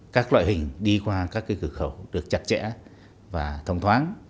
các loại hình đi qua các cửa khẩu được chặt chẽ và thông thoáng